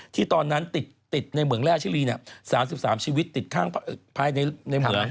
ตอนนั้นติดในเหมืองแร่ชิลี๓๓ชีวิตติดข้างภายในเหมือง